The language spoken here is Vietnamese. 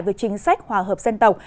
với chính sách hòa hợp dân tộc